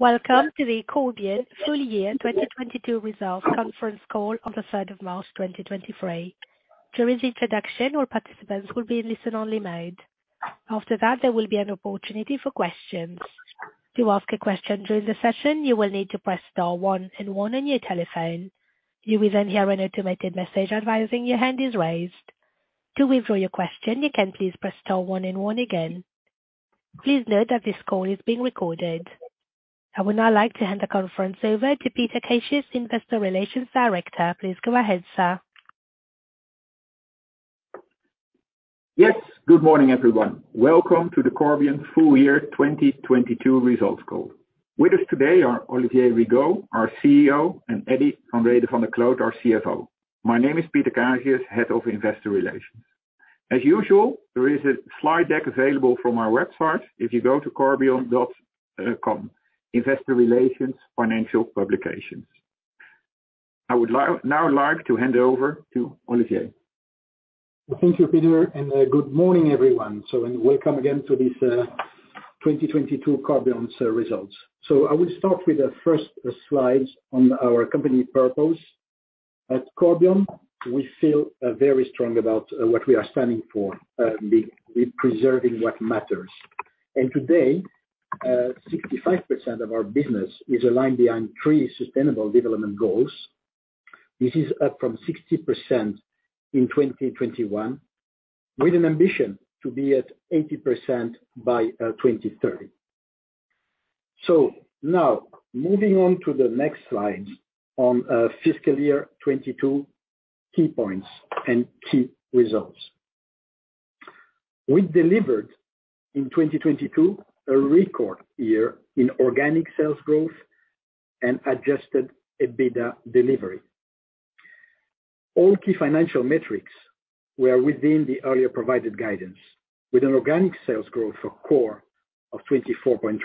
Welcome to the Corbion full year 2022 results conference call on the 3rd of March 2023. During the introduction, all participants will be in listen only mode. After that, there will be an opportunity for questions. To ask a question during the session, you will need to press star one and one on your telephone. You will then hear an automated message advising your hand is raised. To withdraw your question, you can please press star one and one again. Please note that this call is being recorded. I would now like to hand the conference over to Peter Kazius, Investor Relations Director. Please go ahead, sir. Yes, good morning, everyone. Welcome to the Corbion full year 2022 results call. With us today are Olivier Rigaud, our CEO, and Eddy van Rhede van der Kloot, our CFO. My name is Peter Kazius, Head of Investor Relations. As usual, there is a slide deck available from our website if you go to corbion.com, Investor Relations Financial Publications. I would now like to hand over to Olivier. Thank you, Peter, and good morning, everyone. Welcome again to this 2022 Corbion's results. I will start with the first slides on our company purpose. At Corbion, we feel very strong about what we are standing for, preserving what matters. Today, 65% of our business is aligned behind three Sustainable Development Goals. This is up from 60% in 2021, with an ambition to be at 80% by 2030. Moving on to the next slide on fiscal year 2022 key points and key results. We delivered in 2022 a record year in organic sales growth and Adjusted EBITDA delivery. All key financial metrics were within the earlier provided guidance, with an organic sales growth for core of 24.3%,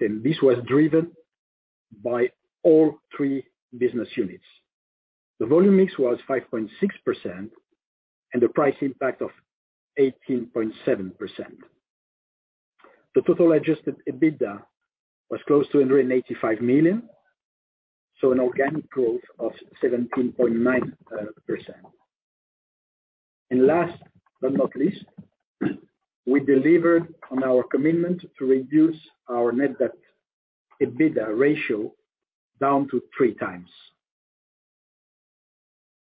and this was driven by all three business units. The volume mix was 5.6% and a price impact of 18.7%. The total Adjusted EBITDA was close to 185 million, so an organic growth of 17.9%. Last but not least, we delivered on our commitment to reduce our net debt EBITDA ratio down to 3x.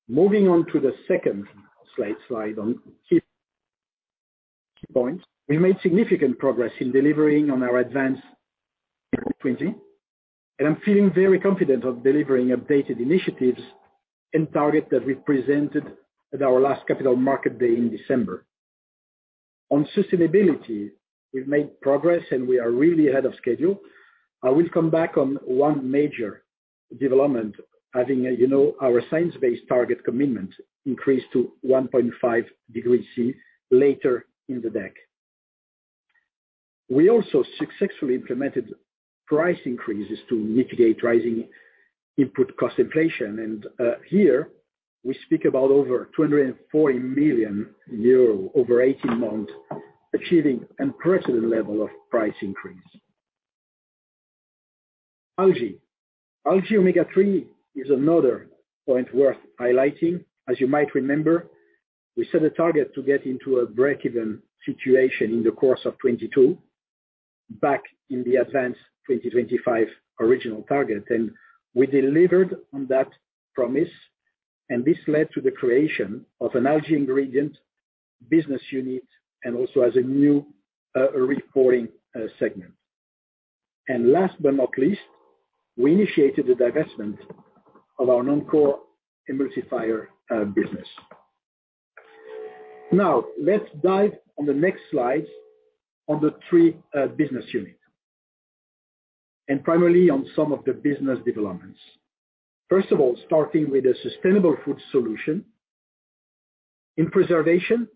Moving on to the second slight slide on key points. We made significant progress in delivering on our Advance in 2025. I'm feeling very confident of delivering updated initiatives and target that we presented at our last Capital Markets Day in December. On sustainability, we've made progress, and we are really ahead of schedule. I will come back on one major development, having, you know, our science-based target commitment increase to 1.5 degree C later in the deck. We also successfully implemented price increases to mitigate rising input cost inflation. Here we speak about over 240 million euro over 18 months, achieving unprecedented level of price increase. Algae omega-3 is another point worth highlighting. As you might remember, we set a target to get into a break-even situation in the course of 2022, back in the Advance 2025 original target. We delivered on that promise, and this led to the creation of an Algae Ingredients business unit and also as a new reporting segment. Last but not least, we initiated the divestment of our Non-core emulsifier business. Now, let's dive on the next slide on the three business unit, and primarily on some of the business developments. First of all, starting with a Sustainable Food Solutions. In preservation,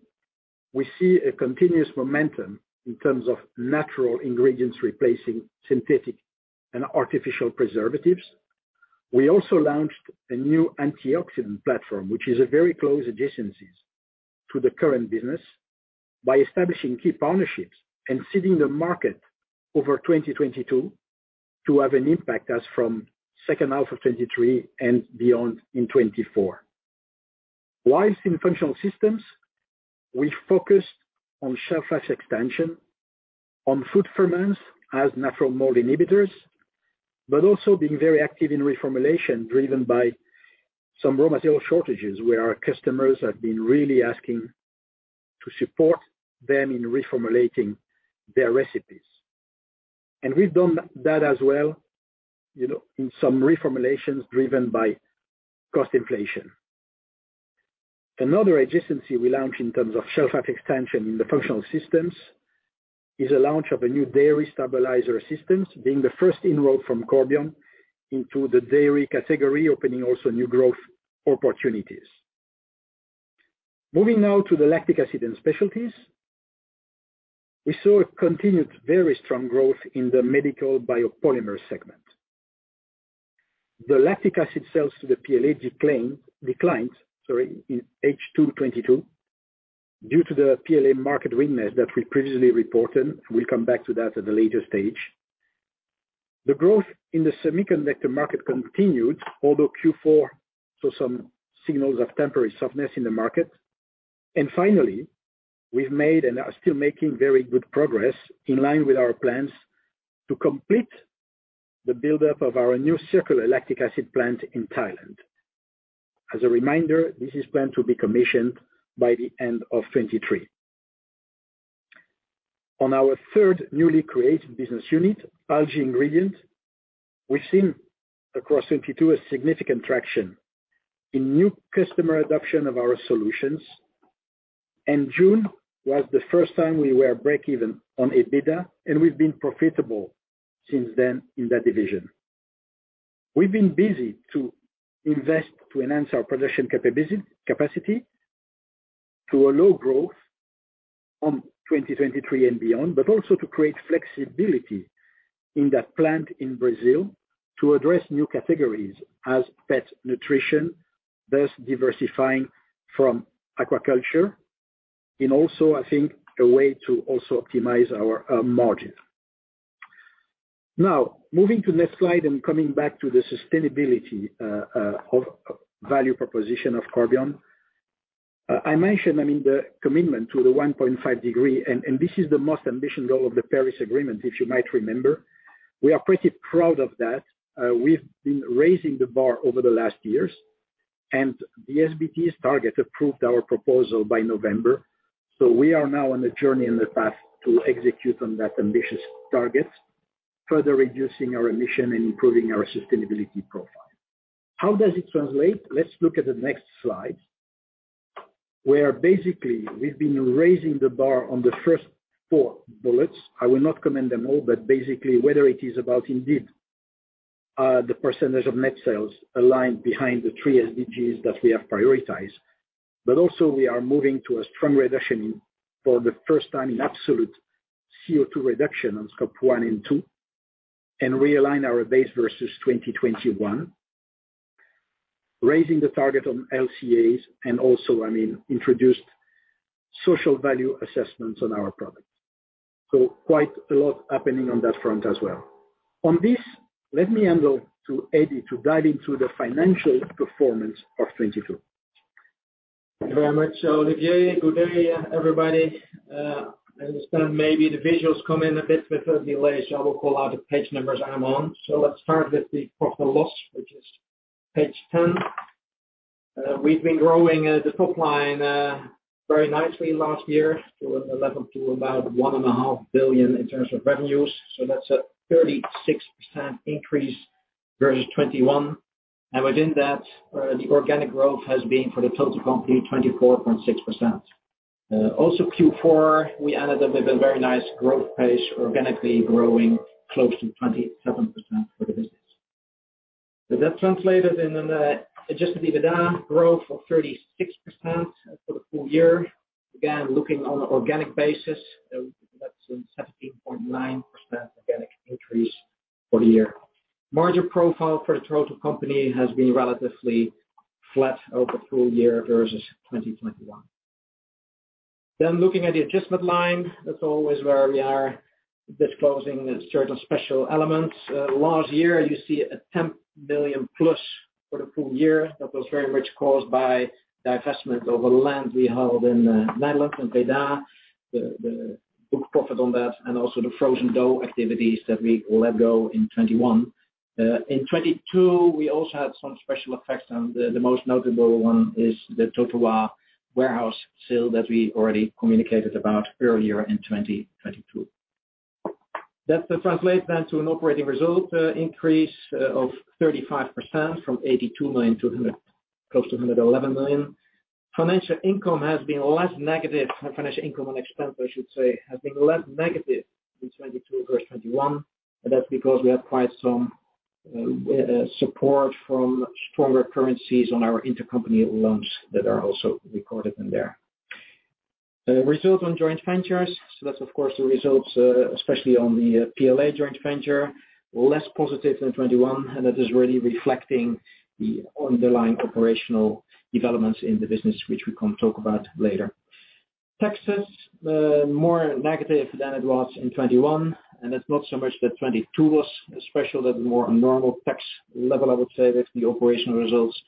we see a continuous momentum in terms of natural ingredients replacing synthetic and artificial preservatives. We also launched a new antioxidant platform, which is a very close adjacencies to the current business, by establishing key partnerships and seeding the market over 2022 to have an impact as from second half of 2023 and beyond in 2024. In functional systems, we focused on shelf life extension, on food ferments as natural mold inhibitors, but also being very active in reformulation, driven by some raw material shortages, where our customers have been really asking to support them in reformulating their recipes. We've done that as well, you know, in some reformulations driven by cost inflation. Another adjacency we launched in terms of shelf life extension in the functional systems is a launch of a new dairy stabilizer systems, being the first in road from Corbion into the dairy category, opening also new growth opportunities. Moving now to the Lactic Acid & Specialties, we saw a continued very strong growth in the medical biopolymer segment. The lactic acid sales to the PLA declined, sorry, in H2 2022 due to the PLA market weakness that we previously reported. We'll come back to that at a later stage. The growth in the semiconductor market continued, although Q4 saw some signals of temporary softness in the market. Finally, we've made and are still making very good progress in line with our plans to complete the buildup of our new circular lactic acid plant in Thailand. As a reminder, this is planned to be commissioned by the end of 2023. On our third newly created business unit, Algae Ingredients, we've seen across 2022 a significant traction in new customer adoption of our solutions. June was the first time we were breakeven on EBITDA, and we've been profitable since then in that division. We've been busy to invest to enhance our production capacity to allow growth on 2023 and beyond, but also to create flexibility in that plant in Brazil to address new categories as pet nutrition, thus diversifying from aquaculture, and also, I think, a way to also optimize our margin. Moving to next slide and coming back to the sustainability of value proposition of Corbion. I mentioned, I mean, the commitment to the 1.5 degree. This is the most ambitious goal of the Paris Agreement, if you might remember. We are pretty proud of that. We've been raising the bar over the last years. The SBT's target approved our proposal by November. We are now on a journey and the path to execute on that ambitious target, further reducing our emission and improving our sustainability profile. How does it translate? Let's look at the next slide, where basically we've been raising the bar on the first four bullets. I will not comment them all, but basically whether it is about indeed, the percentage of net sales aligned behind the three SDGs that we have prioritized. Also we are moving to a strong reduction in, for the first time in absolute CO2 reduction on Scope 1 and 2, and realign our base versus 2021, raising the target on LCAs and also, I mean, introduced social value assessments on our products. Quite a lot happening on that front as well. On this, let me hand over to Eddy to dive into the financial performance of 2022. Thank you very much, Olivier Rigaud. Good day, everybody. I understand maybe the visuals come in a bit with a delay. I will call out the page numbers I'm on. Let's start with the proper loss, which is page 10. We've been growing the top line very nicely last year to 11 to about 1.5 billion in terms of revenues. That's a 36% increase versus 2021. Within that, the organic growth has been for the total company, 24.6%. Also Q4, we ended up with a very nice growth pace, organically growing close to 27% for the business. That translated in an Adjusted EBITDA growth of 36% for the full year. Again, looking on an organic basis, that's a 17.9% organic increase for the year. Margin profile for the total company has been relatively flat over full year versus 2021. Looking at the adjustment line, that's always where we are disclosing certain special elements. Last year, you see a 10+ billion for the full year. That was very much caused by divestment of a land we held in Netherlands in Breda. The book profit on that, and also the Frozen Dough activities that we let go in 2021. In 2022, we also had some special effects, and the most notable one is the Totowa warehouse sale that we already communicated about earlier in 2022. That translate then to an operating result increase of 35% from 82 million-100 million, close to 111 million. Financial income has been less negative. Financial income and expense, I should say, has been less negative in 2022 versus 2021. That's because we have quite some support from stronger currencies on our intercompany loans that are also recorded in there. Result on joint ventures. That's of course, the results, especially on the PLA joint venture, less positive than 2021, and that is really reflecting the underlying operational developments in the business which we can talk about later. Taxes, more negative than it was in 2021, and it's not so much that 2022 was special. That's more a normal tax level, I would say, with the operational results.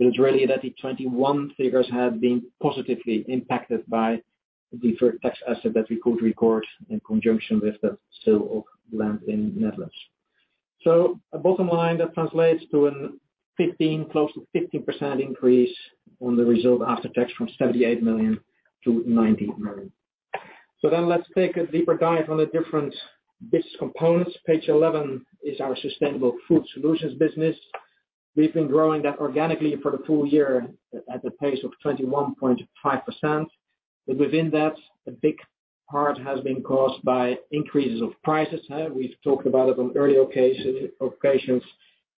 It's really that the 2021 figures had been positively impacted by the deferred tax asset that we could record in conjunction with the sale of land in Netherlands. Bottom line, that translates to a 15%, close to 15% increase on the result after tax from 78 million-90 million. Let's take a deeper dive on the different business components. Page 11 is our Sustainable Food Solutions business. We've been growing that organically for the full year at a pace of 21.5%. Within that, a big part has been caused by increases of prices, we've talked about it on earlier occasions,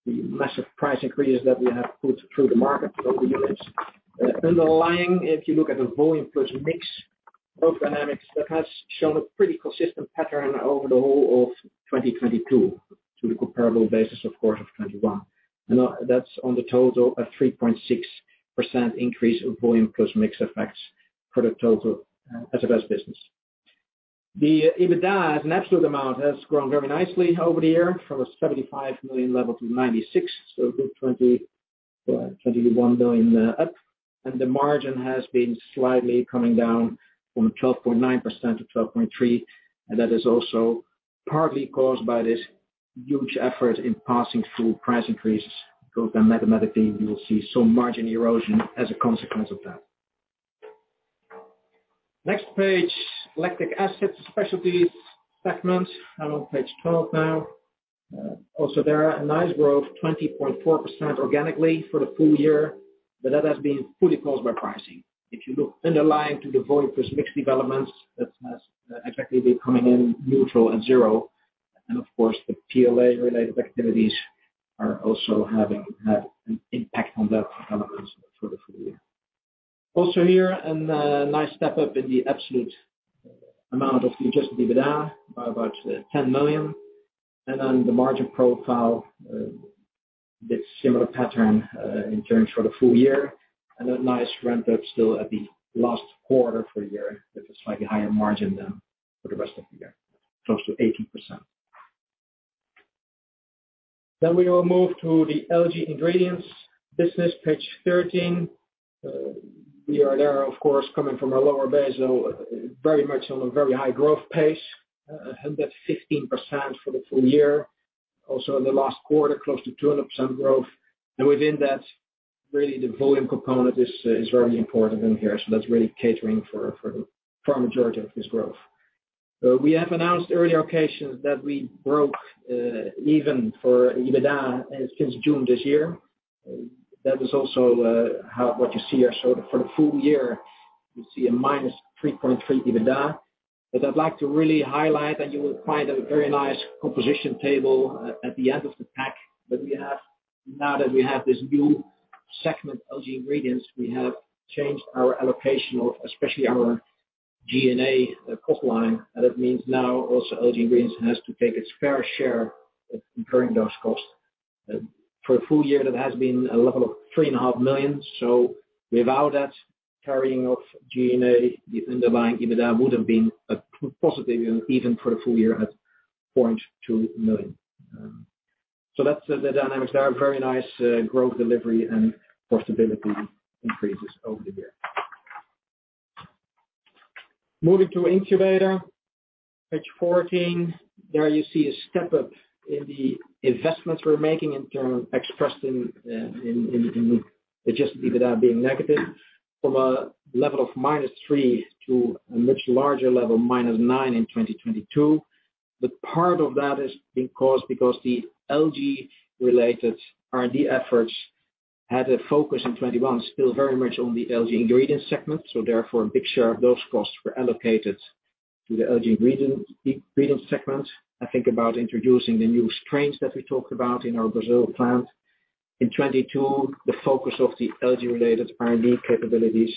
the massive price increases that we have put through the market over units. Underlying, if you look at the volume plus mix. Both dynamics that has shown a pretty consistent pattern over the whole of 2022 to the comparable basis, of course, of 2021. That's on the total a 3.6% increase of volume plus mix effects for the total SLS business. The EBITDA as an absolute amount has grown very nicely over the year from a 75 million level to 96 million. A good 21 million up. The margin has been slightly coming down from 12.9%-12.3%, and that is also partly caused by this huge effort in passing through price increases. Mathematically, you will see some margin erosion as a consequence of that. Next page, Lactic Acid & Specialties segment. I'm on page 12 now. Also there a nice growth, 20.4% organically for the full year, but that has been fully caused by pricing. If you look underlying to the volume plus mix developments, that has effectively been coming in neutral and zero. Of course, the PLA-related activities are also had an impact on that development for the full year. Also here, a nice step up in the absolute amount of Adjusted EBITDA by about 10 million. On the margin profile, bit similar pattern in terms for the full year and a nice ramp-up still at the last quarter for the year with a slightly higher margin than for the rest of the year, close to 18%. We will move to the Algae Ingredients business, page 13. We are there, of course, coming from a lower base, so very much on a very high growth pace, 115% for the full year. Also in the last quarter, close to 200% growth. Within that, really the volume component is very important in here. That's really catering for the far majority of this growth. We have announced earlier occasions that we broke even for EBITDA since June this year. That is also what you see here. For the full year, you see a -3.3 EBITDA. I'd like to really highlight, and you will find a very nice composition table at the end of the pack that we have. Now that we have this new segment, Algae Ingredients, we have changed our allocation of especially our G&A cost line. It means now also Algae Ingredients has to take its fair share of incurring those costs. For a full year, that has been a level of 3.5 million. Without that carrying of G&A, the underlying EBITDA would have been positively even for the full year at 0.2 million. That's the dynamics there. Very nice growth delivery and profitability increases over the year. Moving to Incubator, page 14. There you see a step up in the investments we're making expressed in the Adjusted EBITDA being negative from a level of -3 million to a much larger level, -9 million in 2022. Part of that is being caused because the algae-related R&D efforts had a focus in 2021, still very much on the Algae Ingredients segment. Therefore, a big share of those costs were allocated to the Algae Ingredients, ingredient segment. I think about introducing the new strains that we talked about in our Brazil plant. In 2022, the focus of the algae-related R&D capabilities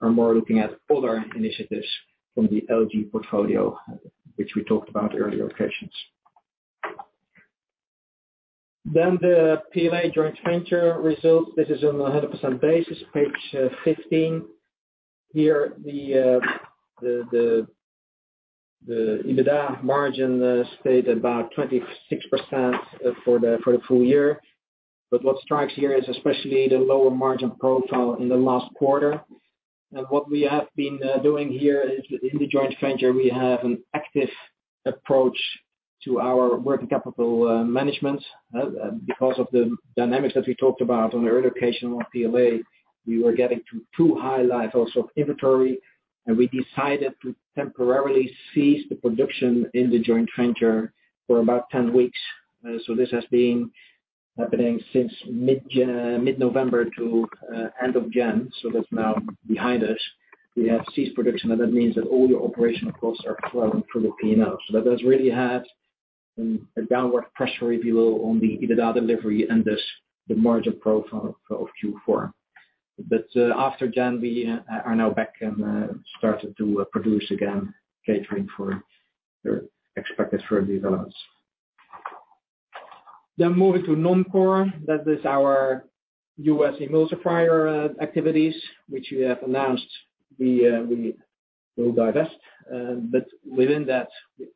are more looking at other initiatives from the algae portfolio, which we talked about earlier occasions. The PLA joint venture results. This is on a 100% basis, page 15. Here, the EBITDA margin stayed about 26% for the full year. What strikes here is especially the lower margin profile in the last quarter. What we have been doing here is in the joint venture, we have an active approach to our working capital management and because of the dynamics that we talked about on the earlier occasion on PLA, we were getting to too high levels of inventory, and we decided to temporarily cease the production in the joint venture for about 10 weeks. This has been happening since mid-November to end of January. That's now behind us. We have ceased production, and that means that all the operational costs are flowing through the P&L. That has really had a downward pressure, if you will, on the EBITDA delivery and the margin profile for Q4. After January, we are now back and started to produce again, catering for their expected further developments. Moving to Non-core. That is our U.S. emulsifier activities, which we have announced we will divest. Within that,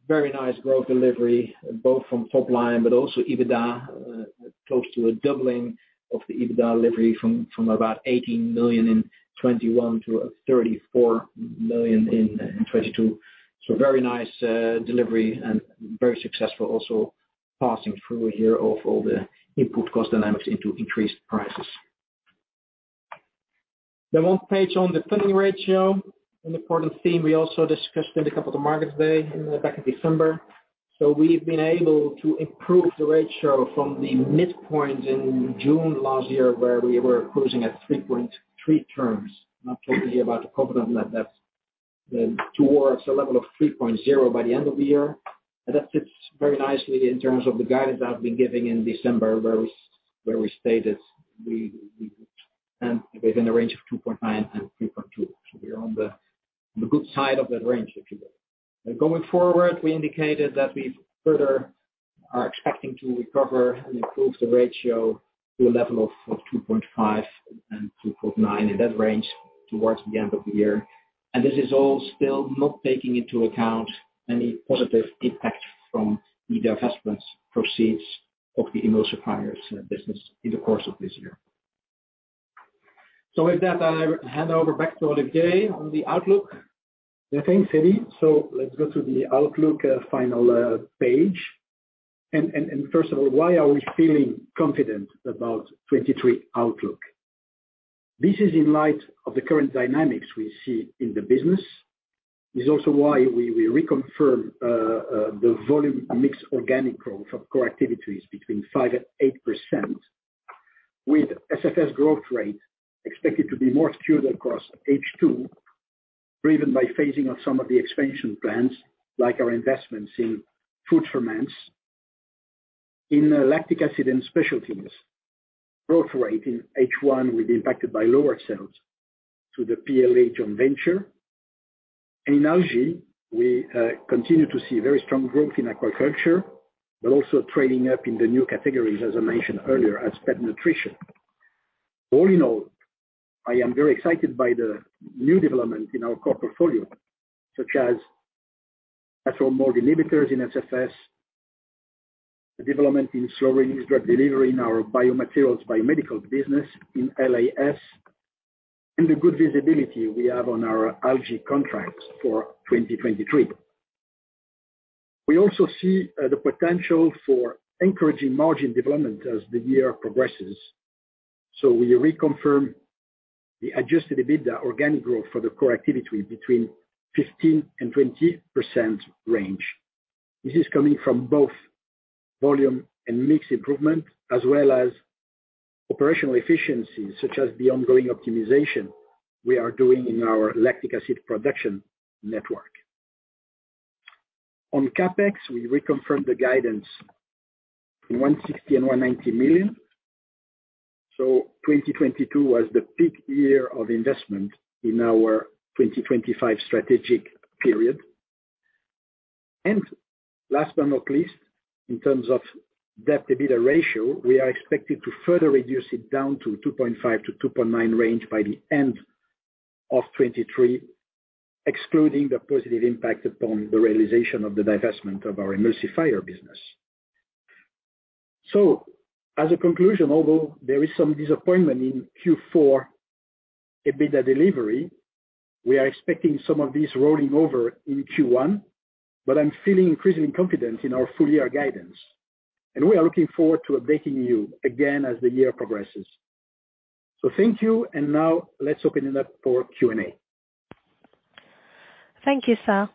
very nice growth delivery, both from top line but also EBITDA, close to a doubling of the EBITDA delivery from about 18 million in 2021 to 34 million in 2022. Very nice delivery and very successful also passing through here of all the input cost dynamics into increased prices. One page on the funding ratio. An important theme we also discussed in the Capital Markets Day back in December. We've been able to improve the ratio from the midpoint in June last year, where we were closing at 3.3 terms. I'm talking here about the covenant net debt. Towards a level of 3.0 by the end of the year. That fits very nicely in terms of the guidance I've been giving in December, where we stated we would end within the range of 2.9-3.2. We are on the good side of that range, if you will. Going forward, we indicated that we further are expecting to recover and improve the ratio to a level of 2.5-2.9 in that range towards the end of the year. This is all still not taking into account any positive impact from the divestments proceeds of the emulsifiers business in the course of this year. With that, I hand over back to Olivier on the outlook. Yeah. Thanks, Eddy. Let's go to the outlook, final page. First of all, why are we feeling confident about 23 outlook? This is in light of the current dynamics we see in the business. It's also why we reconfirm the volume mix organic growth of core activities between 5%-8%, with SFS growth rate expected to be more skewed across H2, driven by phasing of some of the expansion plans, like our investments in food ferments. In Lactic Acid & Specialties, growth rate in H1 will be impacted by lower sales to the PLA joint venture. In algae, we continue to see very strong growth in aquaculture, but also trading up in the new categories, as I mentioned earlier, as pet nutrition. All in all, I am very excited by the new development in our core portfolio, such as mold inhibitors in SFS, the development in slow-release drug delivery in our biomaterials biomedical business in LAS, and the good visibility we have on our algae contracts for 2023. We also see the potential for encouraging margin development as the year progresses. We reconfirm the Adjusted EBITDA organic growth for the core activity between 15% and 20% range. This is coming from both volume and mix improvement, as well as operational efficiencies, such as the ongoing optimization we are doing in our lactic acid production network. On CapEx, we reconfirm the guidance from 160 million and 190 million. 2022 was the peak year of investment in our 2025 strategic period. Last but not least, in terms of debt to EBITDA ratio, we are expected to further reduce it down to 2.5-2.9 range by the end of 2023, excluding the positive impact upon the realization of the divestment of our emulsifier business. As a conclusion, although there is some disappointment in Q4 EBITDA delivery, we are expecting some of these rolling over in Q1, but I'm feeling increasingly confident in our full year guidance, and we are looking forward to updating you again as the year progresses. Thank you. Now let's open it up for Q&A. Thank you, sir.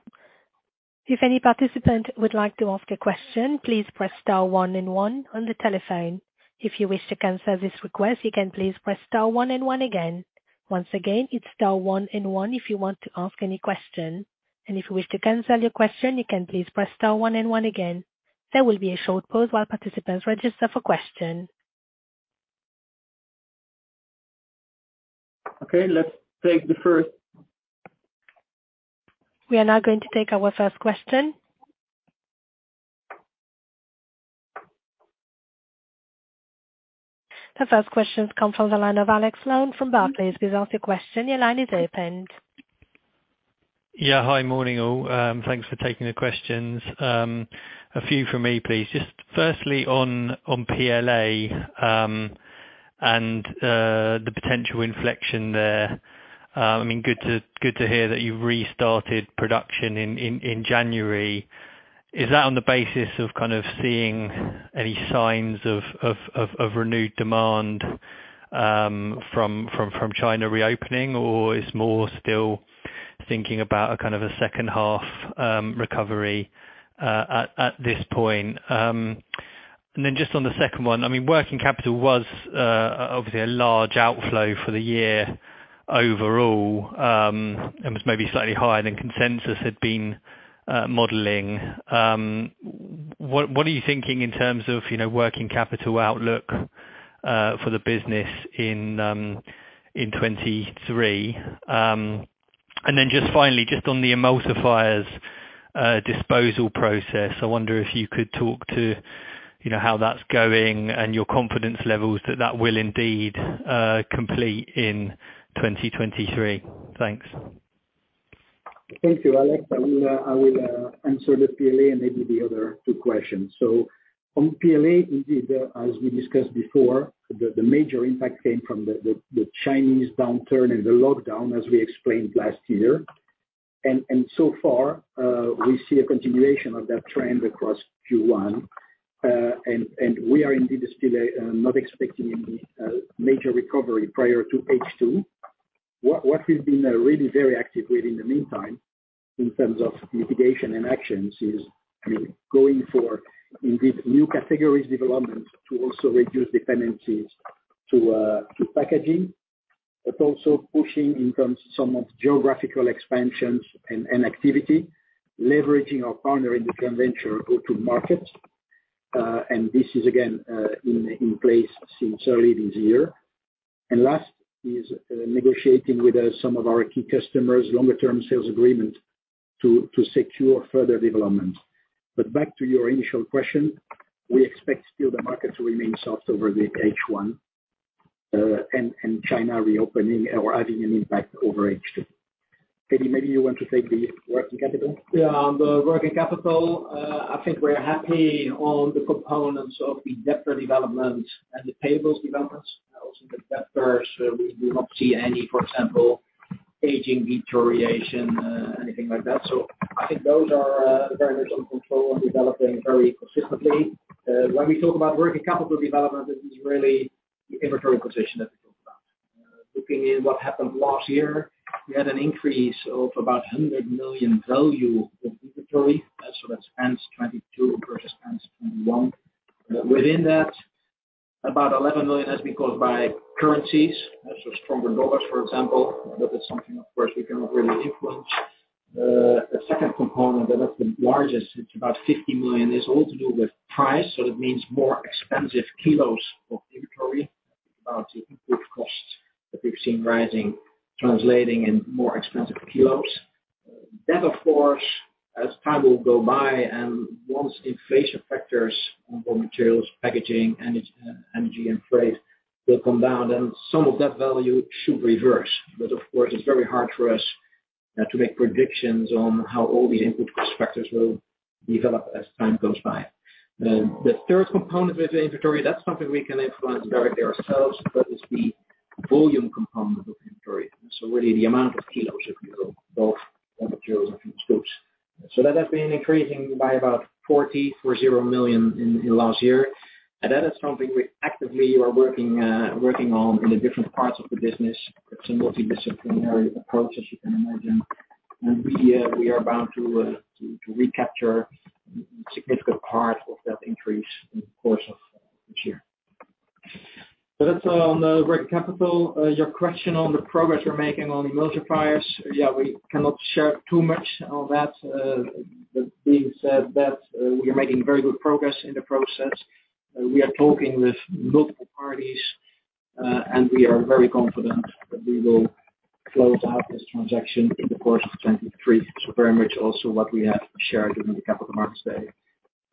If any participant would like to ask a question, please press star one and one on the telephone. If you wish to cancel this request, you can please press star one and one again. Once again, it's star one and one if you want to ask any question. If you wish to cancel your question, you can please press star one and one again. There will be a short pause while participants register for question. Okay, let's take the first. We are now going to take our first question. The first question comes from the line of Alex Sloane from Barclays. Please ask your question. Your line is open. Yeah. Hi. Morning, all. Thanks for taking the questions. A few from me, please. Just firstly on PLA and the potential inflection there. I mean, good to hear that you've restarted production in January. Is that on the basis of kind of seeing any signs of renewed demand from China reopening? It's more still thinking about a kind of a second half recovery at this point? Just on the second one, I mean, working capital was obviously a large outflow for the year overall and was maybe slightly higher than consensus had been modeling. What are you thinking in terms of, you know, working capital outlook for the business in 2023? Just finally, just on the emulsifiers, disposal process, I wonder if you could talk to, you know, how that's going and your confidence levels that that will indeed, complete in 2023? Thanks. Thank you, Alex. I will answer the PLA and maybe the other two questions. On PLA, indeed, as we discussed before, the major impact came from the Chinese downturn and the lockdown, as we explained last year. So far, we see a continuation of that trend across Q1. We are indeed still not expecting any major recovery prior to H2. What we've been really very active with in the meantime, in terms of mitigation and actions, is going for indeed new categories development to also reduce dependencies to packaging. Also pushing in terms some of geographical expansions and activity, leveraging our partner in the joint venture go to market. This is again in place since early this year. Last is negotiating with some of our key customers longer term sales agreement to secure further development. Back to your initial question, we expect still the market to remain soft over the H1 and China reopening or having an impact over H2. Eddy, maybe you want to take the working capital. Yeah, on the working capital, I think we're happy on the components of the debtor development and the payables developments. Also the debtors, we not see any, for example, aging deterioration, anything like that. I think those are very much in control and developing very consistently. When we talk about working capital development, it is really the inventory position that we talk about. Looking in what happened last year, we had an increase of about 100 million value of inventory. That's ends 2022 versus ends 2021. Within that, about 11 million has been caused by currencies. Stronger dollars for example. That's something of course we cannot really influence. The second component that is the largest, it's about 50 million, is all to do with price, it means more expensive kilos of inventory about the input costs that we've seen rising, translating in more expensive kilos. Of course as time will go by and once inflation factors on raw materials, packaging, energy and freight will come down, some of that value should reverse. Of course, it's very hard for us to make predictions on how all these input cost factors will develop as time goes by. The third component with the inventory, that's something we can influence directly ourselves. That is the volume component of inventory. Really the amount of kilos if you will, both raw materials and finished goods. That has been increasing by about 40 million in last year. That is something we actively are working on in the different parts of the business. It's a multidisciplinary approach as you can imagine. We are bound to recapture significant part of that increase in the course of this year. That's on the working capital. Your question on the progress we're making on Emulsifiers. We cannot share too much on that. But being said that, we are making very good progress in the process. We are talking with multiple parties, and we are very confident that we will close out this transaction in the course of 2023. Very much also what we have shared during the Capital Markets Day,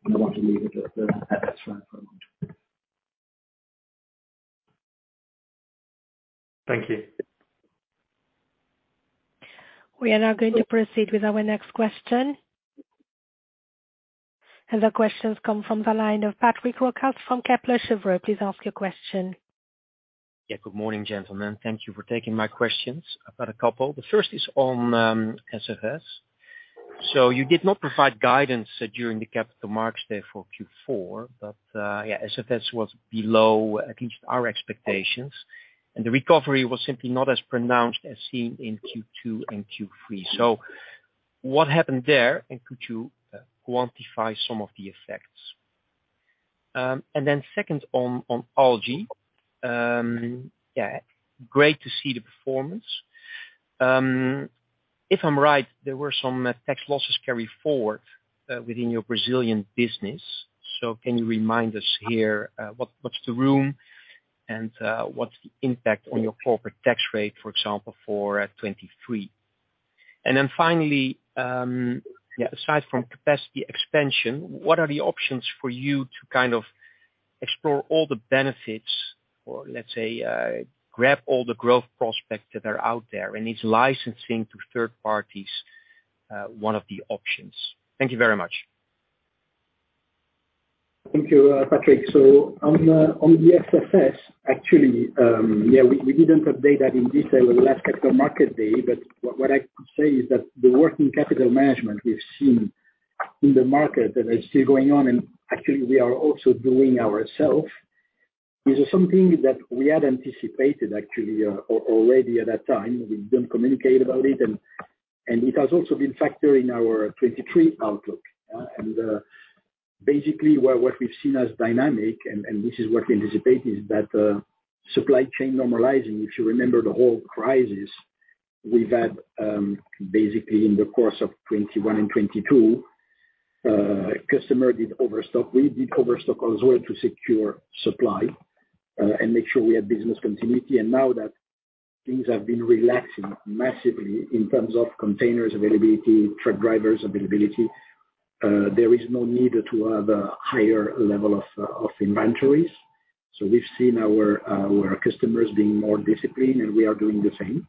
and I want to leave it at that for a moment. Thank you. We are now going to proceed with our next question. The questions come from the line of Patrick Roquas from Kepler Cheuvreux. Please ask your question. Yeah, good morning, gentlemen. Thank you for taking my questions. I've got a couple. The first is on SFS. You did not provide guidance during the Capital Markets Day for Q4, but, yeah, SFS was below at least our expectations, and the recovery was simply not as pronounced as seen in Q2 and Q3. What happened there, and could you quantify some of the effects? Then second on Algae. Yeah, great to see the performance. If I'm right, there were some tax losses carry forward within your Brazilian business. Can you remind us here, what's the room and what's the impact on your corporate tax rate, for example, for 2023? Finally, aside from capacity expansion, what are the options for you to kind of explore all the benefits or let's say, grab all the growth prospects that are out there and is licensing to third parties, one of the options? Thank you very much. Thank you, Patrick. On the SFS actually, yeah, we didn't update that in detail with the last Capital Markets Day. What I could say is that the working capital management we've seen in the market that are still going on, and actually we are also doing ourself, is something that we had anticipated actually, already at that time. We didn't communicate about it and it has also been factored in our 2023 outlook. Basically where what we've seen as dynamic and this is what we anticipate, is that supply chain normalizing. If you remember the whole crisis we've had, basically in the course of 2021 and 2022, customer did overstock. We did overstock as well to secure supply and make sure we had business continuity. Now that things have been relaxing massively in terms of containers availability, truck drivers availability, there is no need to have a higher level of inventories. We've seen our customers being more disciplined and we are doing the same.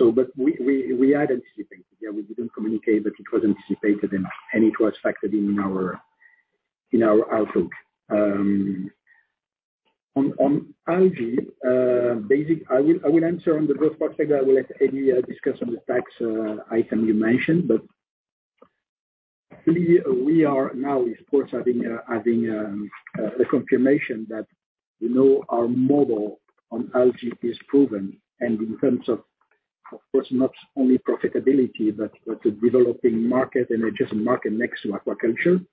We had anticipated. Yeah, we didn't communicate, but it was anticipated and it was factored in our outlook. On Algae, I will answer on the growth part. I will let Eddy discuss on the tax item you mentioned. Clearly we are now of course having the confirmation that, you know, our model on Algae is proven and in terms of course, not only profitability but with the developing market and adjacent market next to aquaculture.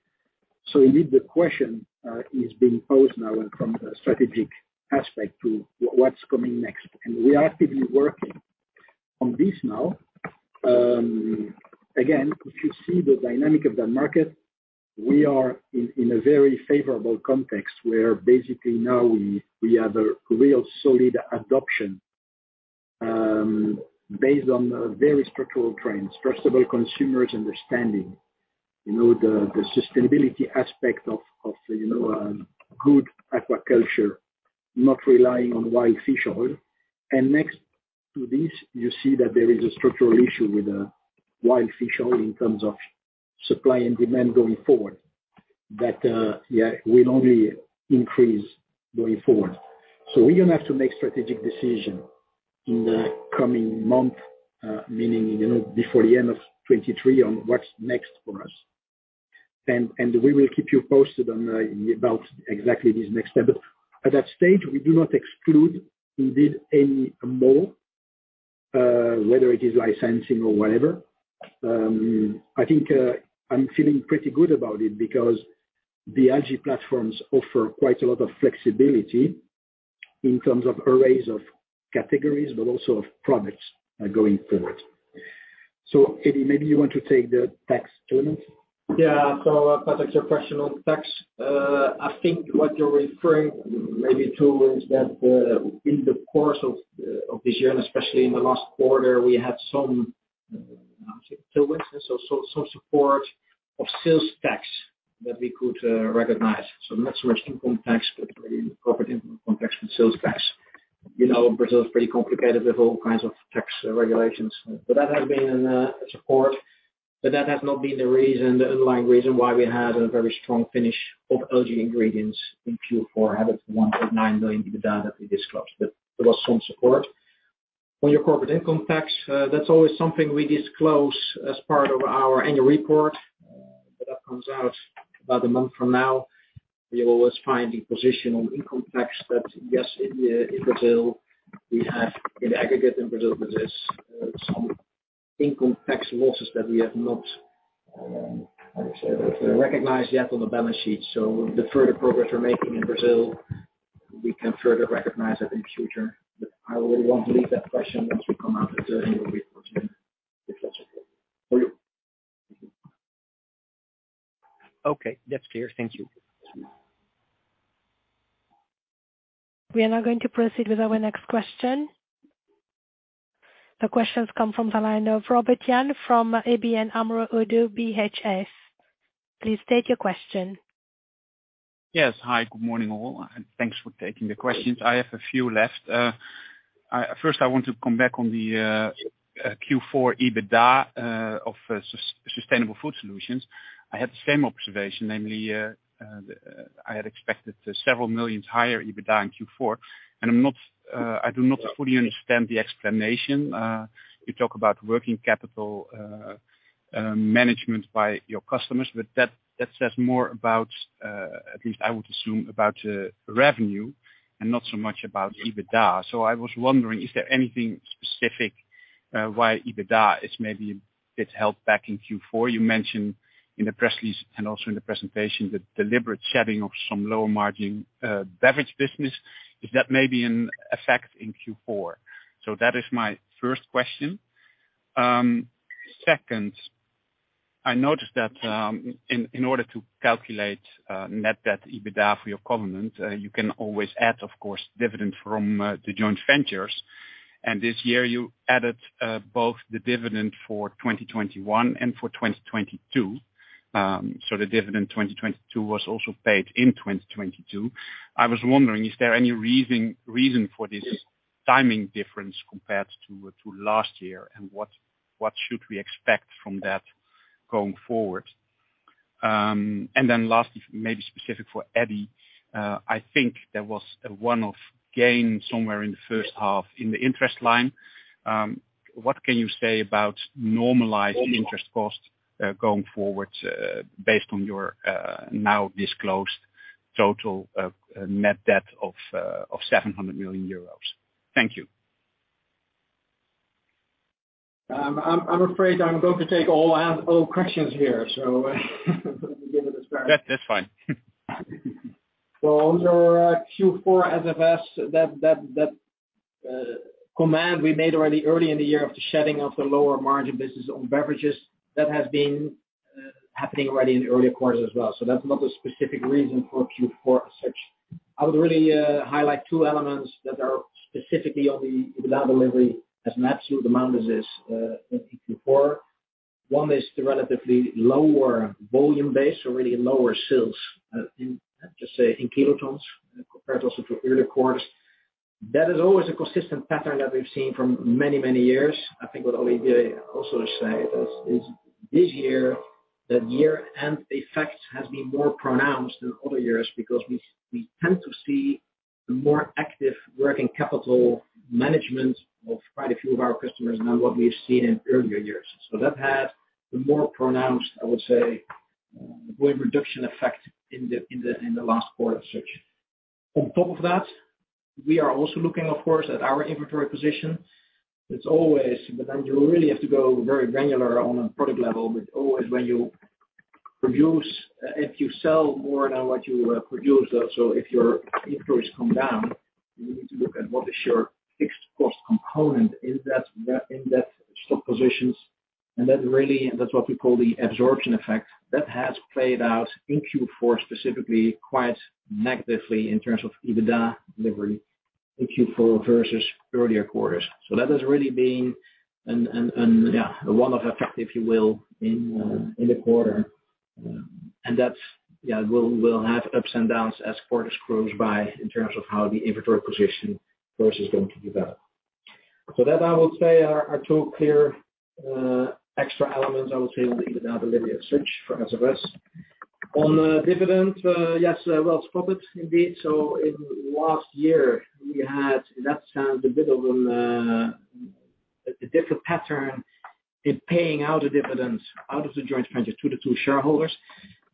Indeed, the question is being posed now and from the strategic aspect to what's coming next, and we are actively working on this now. Again, if you see the dynamic of that market, we are in a very favorable context where basically now we have a real solid adoption, based on the very structural trends. First of all, consumers understanding, you know, the sustainability aspect of, you know, good aquaculture, not relying on wild fish oil. Next to this, you see that there is a structural issue with wild fish oil in terms of supply and demand going forward that will only increase going forward. We're gonna have to make strategic decision in the coming month, meaning, you know, before the end of 2023 on what's next for us. We will keep you posted about exactly this next step. At that stage, we do not exclude indeed any more, whether it is licensing or whatever. I think I'm feeling pretty good about it because the algae platforms offer quite a lot of flexibility in terms of arrays of categories, but also of products going forward. Eddy, maybe you want to take the tax element. Patrick, your question on tax. I think what you're referring maybe to is that in the course of this year, and especially in the last quarter, we had some support of sales tax that we could recognize. Not so much income tax, but really corporate income tax and sales tax. You know, Brazil is pretty complicated with all kinds of tax regulations, but that has been a support. That has not been the reason, the underlying reason why we had a very strong finish of Algae Ingredients in Q4 out of 1.9 million EBITDA that we disclosed. There was some support. On your corporate income tax, that's always something we disclose as part of our annual report, that comes out about a month from now. We always find the position on income tax that, yes, in Brazil, we have in aggregate in Brazil, there's some income tax losses that we have not recognized yet on the balance sheet. The further progress we're making in Brazil, we can further recognize that in the future. I really want to leave that question once we come out with the annual report if that's okay. Okay. That's clear. Thank you. We are now going to proceed with our next question. The questions come from the line of Robert Jan from ABN AMRO – ODDO BHF. Please state your question. Yes. Hi. Good morning, all, and thanks for taking the questions. I have a few left. First I want to come back on the Q4 EBITDA of Sustainable Food Solutions. I had the same observation, namely, I had expected several million EUR higher EBITDA in Q4, and I do not fully understand the explanation. You talk about working capital management by your customers, but that says more about, at least I would assume about revenue and not so much about EBITDA. I was wondering, is there anything specific why EBITDA is maybe a bit held back in Q4? You mentioned in the press release and also in the presentation the deliberate shedding of some lower margin beverage business, if that may be in effect in Q4. That is my first question. Second, I noticed that in order to calculate net debt EBITDA for your covenant, you can always add, of course, dividend from the joint ventures. This year you added both the dividend for 2021 and for 2022. The dividend 2022 was also paid in 2022. I was wondering, is there any reason for this timing difference compared to last year and what should we expect from that going forward? Lastly, maybe specific for Eddy, I think there was a one-off gain somewhere in the first half in the interest line. What can you say about normalized interest costs going forward, based on your now disclosed total net debt of 700 million euros? Thank you. I'm afraid I'm going to take all questions here. Let me give it a try. That's fine. On your Q4 SFS, that command we made already early in the year of the shedding of the lower margin business on beverages, that has been happening already in the earlier quarters as well. That's not a specific reason for Q4 as such. I would really highlight two elements that are specifically on the EBITDA delivery as an absolute amount as is in Q4. One is the relatively lower volume base, so really lower sales in, just say in kilotons, compared also to earlier quarters. That is always a consistent pattern that we've seen from many, many years. I think what Olivier also say is this year, the year-end effect has been more pronounced than other years because we tend to see more active working capital management of quite a few of our customers than what we've seen in earlier years. That had the more pronounced, I would say, volume reduction effect in the, in the, in the last quarter search. On top of that, we are also looking, of course, at our inventory position. It's always. You really have to go very granular on a product level. Always when you produce, if you sell more than what you produce, so if your inventories come down, you need to look at what is your fixed cost component in that, in that stock positions. That really, that's what we call the absorption effect. That has played out in Q4 specifically quite negatively in terms of EBITDA delivery in Q4 versus earlier quarters. That has really been a, yeah, a one-off effect, if you will, in the quarter and that's, yeah, will have ups and downs as quarters cruise by in terms of how the inventory position versus going to develop. That I will say are two clear extra elements I will say on the EBITDA delivery search for SLS. On dividend, yes, well spotted indeed. In last year we had, in that sense, a bit of a different pattern in paying out a dividend out of the joint venture to the two shareholders.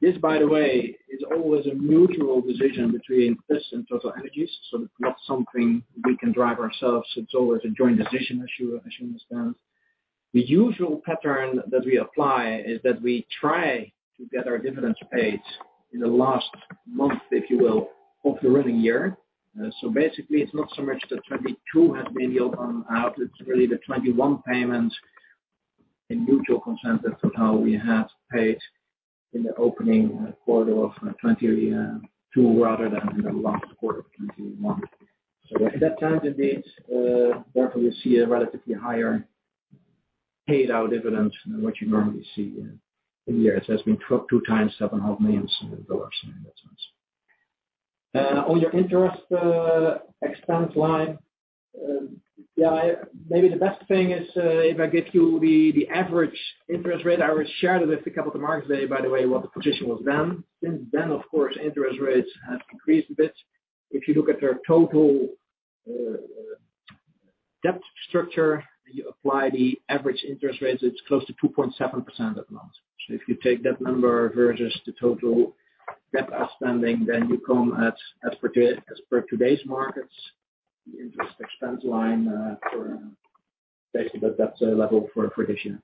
This, by the way, is always a mutual decision between this and TotalEnergies. It's not something we can drive ourselves. It's always a joint decision as you understand. The usual pattern that we apply is that we try to get our dividends paid in the last month, if you will, of the running year. Basically it's not so much that 2022 has been yield on out. It's really the 2021 payment in mutual consensus of how we have paid in the opening quarter of 2022 rather than in the last quarter of 2021. At that time, indeed, therefore you see a relatively higher paid out dividend than what you normally see in the year. It has been 2x $700 million in that sense. On your interest expense line, yeah, maybe the best thing is if I give you the average interest rate, I will share that with a couple of the markets by the way, what the position was then. Since then, of course, interest rates have increased a bit. If you look at our total debt structure and you apply the average interest rates, it's close to 2.7% at the moment. If you take that number versus the total debt outstanding, then you come at, as per today's markets, the interest expense line for basically that's level for this year.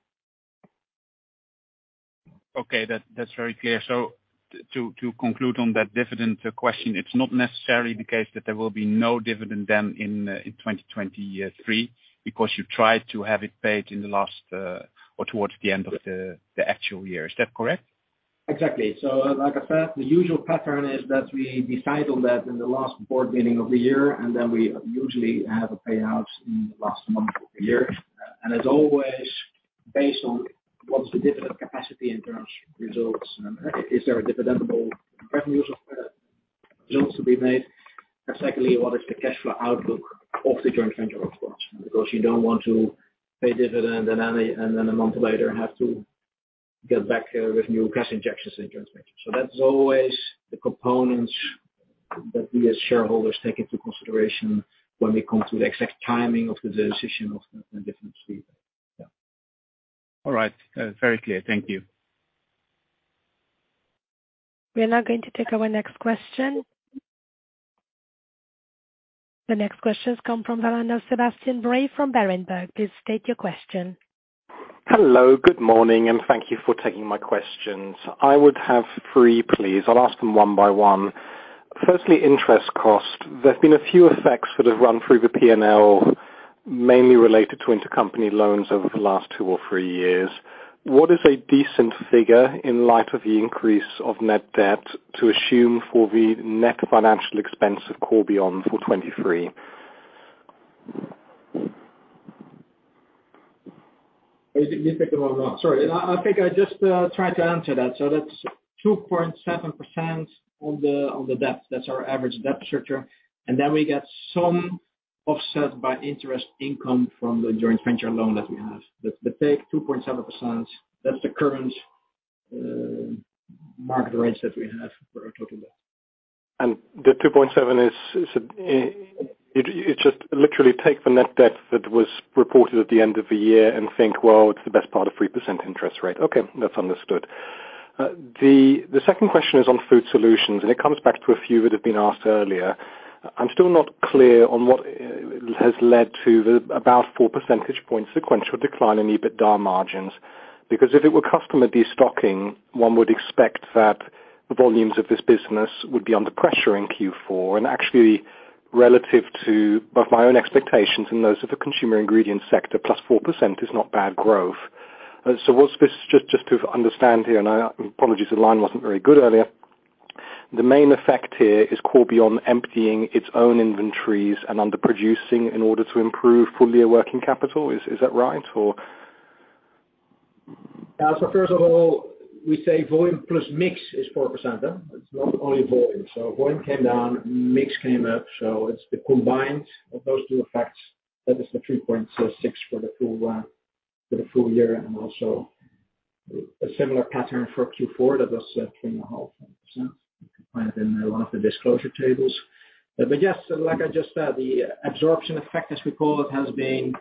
Okay. That's very clear. To conclude on that dividend question, it's not necessarily the case that there will be no dividend then in 2023 because you tried to have it paid in the last, or towards the end of the actual year. Is that correct? Exactly. Like I said, the usual pattern is that we decide on that in the last board meeting of the year, and then we usually have a payout in the last month of the year. As always, based on what's the dividend capacity in terms of results, and is there a dividendable revenues or results to be made? Secondly, what is the cash flow outlook of the joint venture of course, because you don't want to pay dividend and then a month later have to get back with new cash injections in transmission. That's always the components that we as shareholders take into consideration when we come to the exact timing of the decision of the dividend fee. Yeah. All right. Very clear. Thank you. We are now going to take our next question. The next question comes from the line of Sebastian Bray from Berenberg. Please state your question. Hello, good morning. Thank you for taking my questions. I would have three, please. I'll ask them one by one. Firstly, interest cost. There's been a few effects that have run through the P&L, mainly related to intercompany loans over the last two or three years. What is a decent figure in light of the increase of net debt to assume for the net financial expense of Corbion for 2023? You picked the one wrong. Sorry. I think I just tried to answer that. That's 2.7% on the debt. That's our average debt structure. We get some offset by interest income from the joint venture loan that we have. Take 2.7%, that's the current market rates that we have, we're talking about. The 2.7% is it's just literally take the net debt that was reported at the end of the year and think, well, it's the best part of 3% interest rate. Okay. That's understood. The second question is on Sustainable Food Solutions, and it comes back to a few that have been asked earlier. I'm still not clear on what has led to the about 4 percentage point sequential decline in EBITDA margins. If it were customer destocking, one would expect that the volumes of this business would be under pressure in Q4. Actually, relative to both my own expectations and those of the consumer ingredients sector, +4% is not bad growth. What's this? Just to understand here, I apologies, the line wasn't very good earlier. The main effect here is Corbion emptying its own inventories and underproducing in order to improve full year working capital. Is that right? Yeah. First of all, we say volume plus mix is 4%. It's not only volume. Volume came down, mix came up. It's the combined of those two effects. That is the 3.6% for the full year and also a similar pattern for Q4. That was 3.5%. You can find it in one of the disclosure tables. Yes, like I just said, the absorption effect, as we call it, has been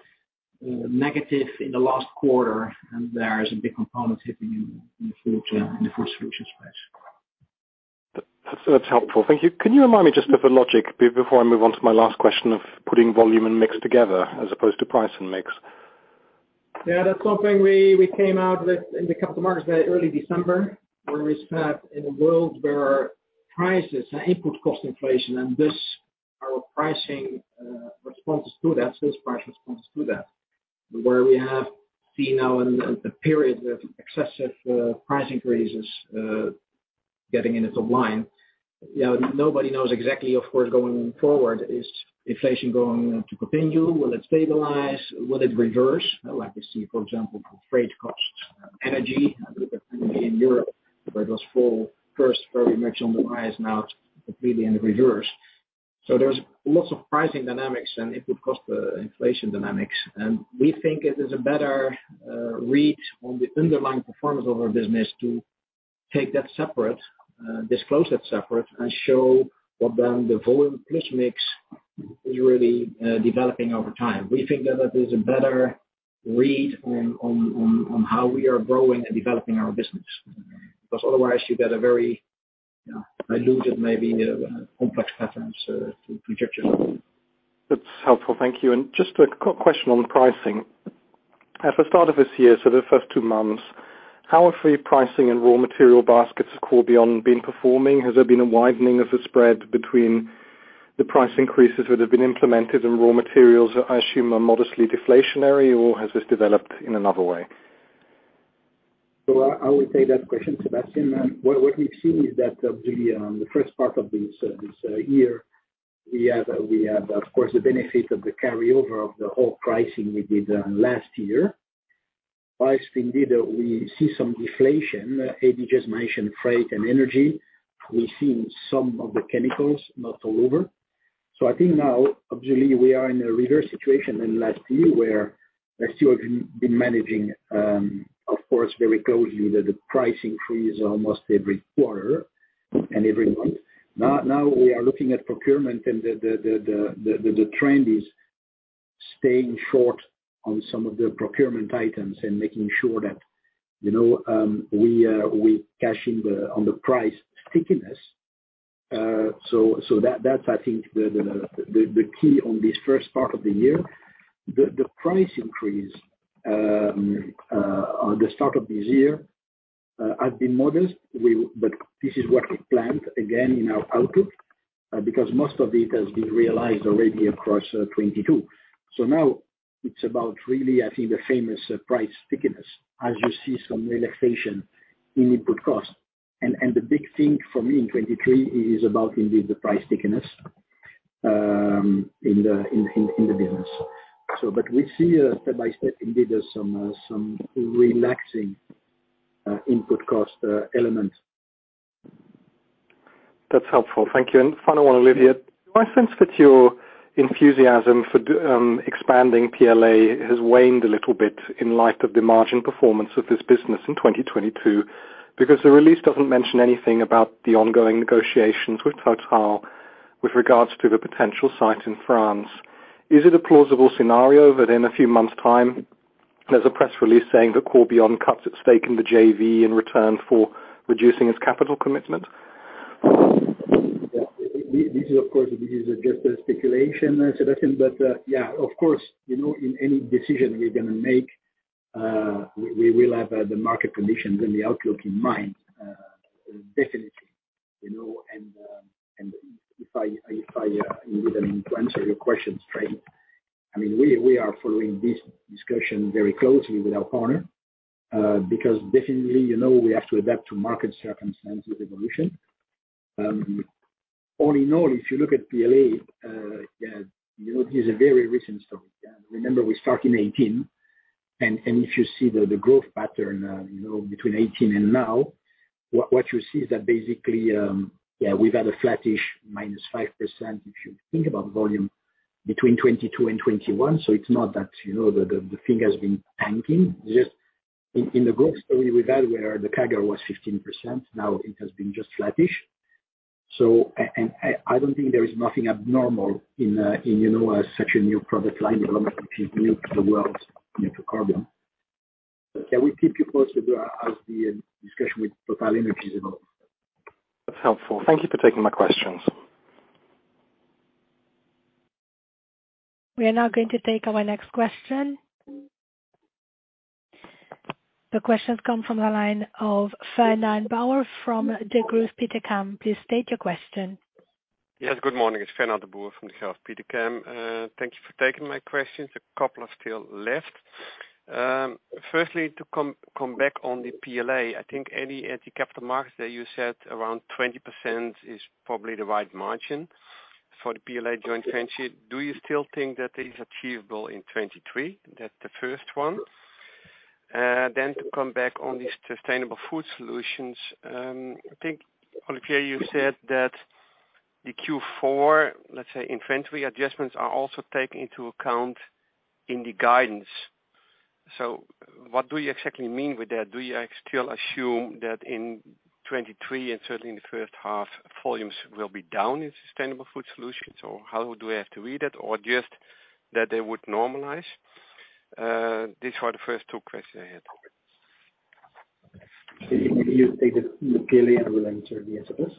negative in the last quarter, and there is a big component hitting in the food, in the Food Solutions space. That's helpful, thank you. Can you remind me just of the logic before I move on to my last question of putting volume and mix together as opposed to price and mix? Yeah, that's something we came out with in the Capital Markets Day, early December, where we said in a world where prices and input cost inflation, and thus our pricing, responses to that, sales price responses to that. Where we have seen now in a period of excessive price increases, getting in its own line. You know, nobody knows exactly, of course, going forward is inflation going to continue? Will it stabilize? Will it reverse? Like we see for example, freight costs, energy, particularly in Europe, where it was full first very much on the rise, now it's completely in reverse. There's lots of pricing dynamics and input cost, inflation dynamics. We think it is a better read on the underlying performance of our business to take that separate, disclose that separate, and show what then the volume plus mix is really developing over time. We think that that is a better read on how we are growing and developing our business 'cause otherwise you get a very, you know, diluted, maybe, complex patterns to project it. That's helpful, thank you. Just a question on pricing. At the start of this year, so the first two months, how are fee pricing and raw material baskets Corbion been performing? Has there been a widening of the spread between the price increases that have been implemented, and raw materials I assume are modestly deflationary, or has this developed in another way? I will take that question, Sebastian. What we've seen is that the first part of this year, we had of course the benefit of the carryover of the whole pricing we did last year. Price indeed, we see some deflation. Eddy just mentioned freight and energy. We've seen some of the chemicals, not all over. I think now obviously we are in a reverse situation than last year, where last year we've been managing of course very closely the pricing freeze almost every quarter and every month. Now we are looking at procurement and the trend is staying short on some of the procurement items and making sure that, you know, we cash in on the price stickiness. That's, I think the key on this first part of the year. The price increase on the start of this year has been modest. This is what we planned, again, in our outlook, because most of it has been realized already across 2022. Now it's about really, I think the famous price stickiness as you see some relaxation in input cost. The big thing for me in 2023 is about indeed the price stickiness in the business. We see a step by step indeed there's some relaxing input cost elements. That's helpful, thank you. Final one, Olivier. Do I sense that your enthusiasm for expanding PLA has waned a little bit in light of the margin performance of this business in 2022 because the release doesn't mention anything about the ongoing negotiations with Total with regards to the potential site in France. Is it a plausible scenario that in a few months' time there's a press release saying that Corbion cuts at stake in the JV in return for reducing its capital commitment? Yeah. This is, of course, this is just a speculation, Sebastian, but, yeah, of course, you know, in any decision we're gonna make, we will have the market conditions and the outlook in mind. Definitely. You know, and if I to answer your question straight, I mean, we are following this discussion very closely with our partnerr because definitely, you know, we have to adapt to market circumstances evolution. All in all, if you look at PLA, yeah, you know, this is a very recent story. Remember we start in 2018. If you see the growth pattern, you know, between 2018 and now, what you see is that basically, yeah, we've had a flattish -5% if you think about volume between 2022-2021, so it's not that, you know, the thing has been tanking. Just in the growth story with Valwhere, the CAGR was 15%, now it has been just flattish. I don't think there is nothing abnormal in, you know, as such a new product line development, which is new to the world, you know, to Corbion. Yeah, we'll keep you posted as the discussion with TotalEnergies evolves. That's helpful. Thank you for taking my questions. We are now going to take our next question. The question comes from the line of Fernand de Boer from Degroof Petercam. Please state your question. Yes, good morning. It's Fernand de Boer from Degroof Petercam. Thank you for taking my questions. A couple are still left. Firstly, to come back on the PLA, I think early at the Capital Markets Day you said around 20% is probably the right margin for the PLA joint venture. Do you still think that is achievable in 2023? That's the first one. To come back on the Sustainable Food Solutions, I think Olivier, you said that the Q4, let's say, inventory adjustments are also taken into account in the guidance. What do you exactly mean with that? Do you still assume that in 2023, and certainly in the first half, volumes will be down in Sustainable Food Solutions, or how do we have to read it, or just that they would normalize? These are the first two questions I had. Can you take it with PLA and we'll answer the SFS.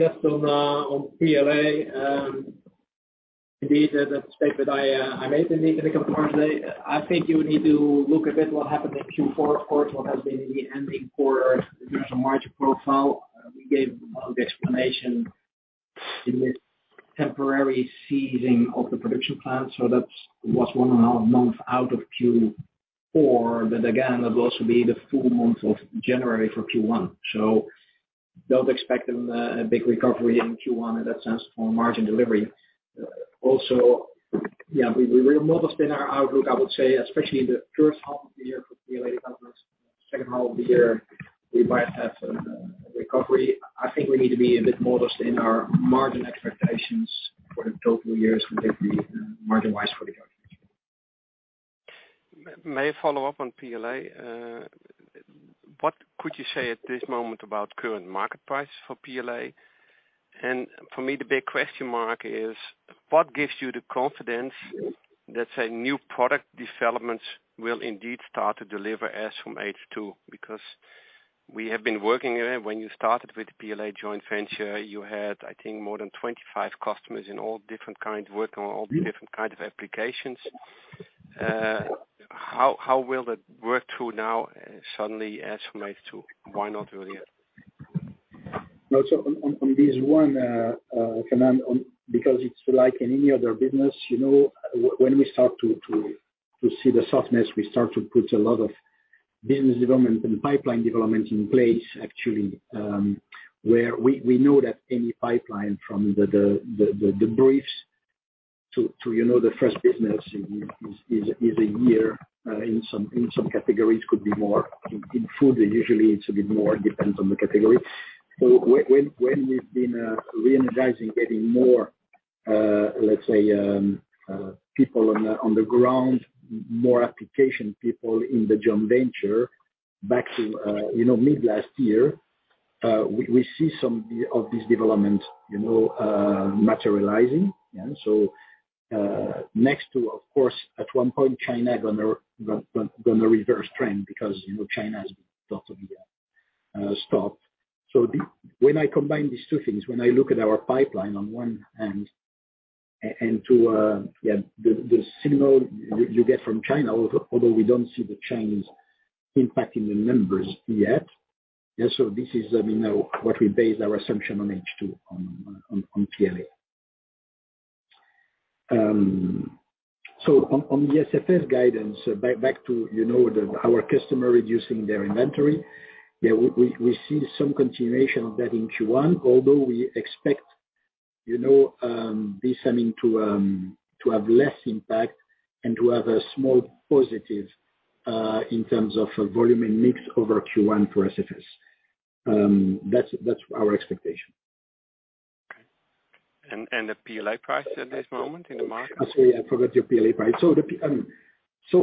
Just on on PLA, indeed that's the statement I made in the in the Capital Markets Day. I think you need to look a bit what happened in Q4, of course, what has been the ending quarter in terms of margin profile. We gave the explanation in the temporary ceasing of the production plant, so that's was 1.5 months out of Q4. Again, that will also be the full month of January for Q1. Don't expect a big recovery in Q1 in that sense for margin delivery. Yeah, we remain modest in our outlook, I would say, especially in the first half of the year for PLA developments. Second half of the year, we might have a recovery. I think we need to be a bit modest in our margin expectations for the total years, particularly, margin wise for the year. May I follow up on PLA? What could you say at this moment about current market price for PLA? For me, the big question mark is, what gives you the confidence, let's say, new product developments will indeed start to deliver as from H2? We have been working when you started with PLA joint venture, you had, I think, more than 25 customers in all different kinds, working on all different kinds of applications. How will that work through now suddenly as from H2? Why not earlier? On this one, Fernand, because it's like any other business, you know, when we start to see the softness, we start to put a lot of business development and pipeline development in place, actually, where we know that any pipeline from the briefs to, you know, the first business is a year. In some categories could be more. In food usually it's a bit more, it depends on the category. When we've been reenergizing getting more, let's say, people on the ground, more application people in the joint venture back to, you know, mid last year, we see some of this development, you know, materializing. Yeah. Next to, of course, at one point China gonna reverse trend because, you know, China has lots of the stock. When I combine these two things, when I look at our pipeline on one hand and to, yeah, the signal you get from China, although we don't see the change impacting the numbers yet. This is, I mean, how, what we base our assumption on H2 on PLA. On the SFS guidance, back to, you know, our customer reducing their inventory, we see some continuation of that in Q1, although we expect, you know, this, I mean, to have less impact and to have a small positive in terms of volume and mix over Q1 for SFS. That's our expectation. Okay. The PLA price at this moment in the market? Sorry, I forgot your PLA price. So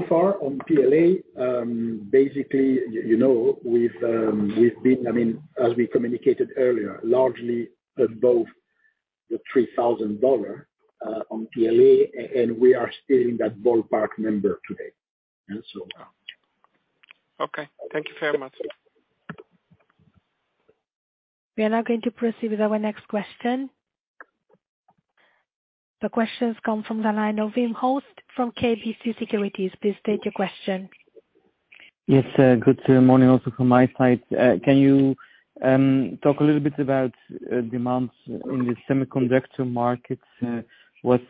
far on PLA, basically you know, we've been, I mean, as we communicated earlier, largely above the $3,000 on PLA, and we are still in that ballpark number today. Okay. Thank you very much. We are now going to proceed with our next question. The question's come from the line of Wim Hoste from KBC Securities. Please state your question. Yes, good morning also from my side. Can you talk a little bit about demands in the semiconductor markets? Was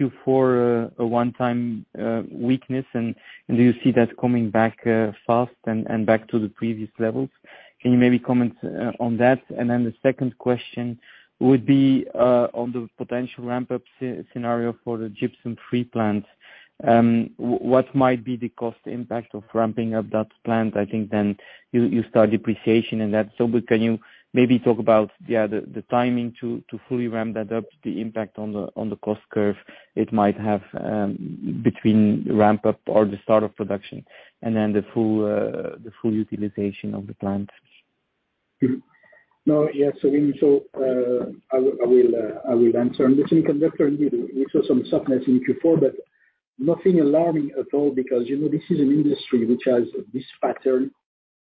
Q4 a one-time weakness, and do you see that coming back fast and back to the previous levels? Can you maybe comment on that? The second question would be on the potential ramp up scenario for the gypsum free plant. What might be the cost impact of ramping up that plant? I think then you start depreciation in that. Can you maybe talk about, yeah, the timing to fully ramp that up, the impact on the cost curve it might have, between ramp up or the start of production, and then the full utilization of the plant? No. Yes. Wim, I will answer. On the semiconductor, indeed, we saw some softness in Q4, but nothing alarming at all because, you know, this is an industry which has this pattern,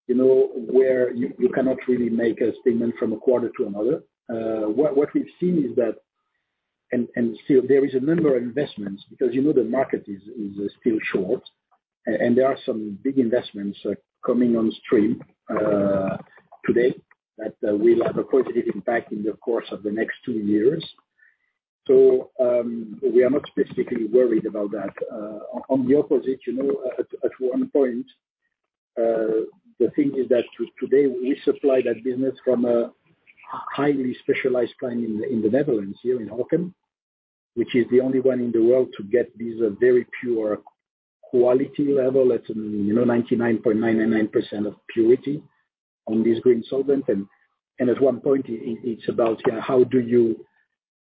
you know, where you cannot really make a statement from a quarter to another. What we've seen is that and still there is a number of investments because, you know, the market is still short and there are some big investments coming on stream today that will have a positive impact in the course of the next two years. We are not specifically worried about that. On the opposite, you know, at one point, the thing is that today we supply that business from a highly specialized plant in the Netherlands here in Amsterdam, which is the only one in the world to get this very pure quality level at, you know, 99.999% of purity on this green solvent. At one point, it's about,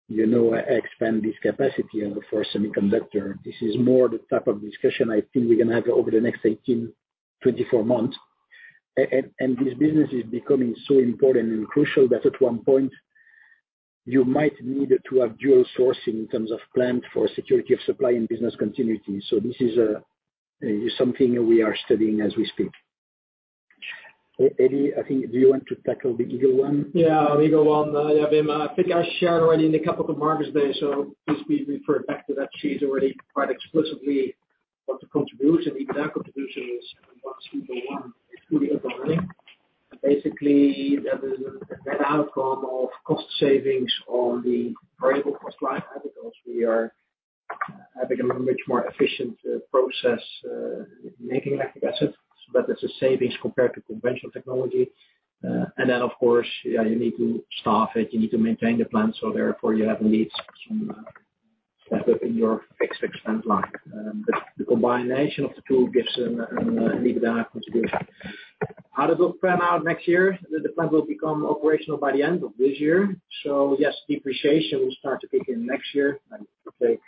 you know, expand this capacity on the first semiconductor. This is more the type of discussion I think we're gonna have over the next 18, 24 months. This business is becoming so important and crucial that at one point you might need to have dual sourcing in terms of plant for security of supply and business continuity. This is something we are studying as we speak. Eddy, I think, do you want to tackle the Eagle One? Eagle One, Wim, I think I shared already in the Capital Markets Day, please be referred back to that sheet already quite explicitly what the contribution, EBITDA contribution is once Eagle One is fully up and running. Basically, that is a net outcome of cost savings on the variable cost line because we are having a much more efficient process making lactic acid, that is a savings compared to conventional technology. Of course, you need to staff it, you need to maintain the plant, therefore you have needs to staff up in your fixed expense line. The combination of the two gives an EBITDA contribution. How does it pan out next year? The plant will become operational by the end of this year. Yes, depreciation will start to kick in next year and take,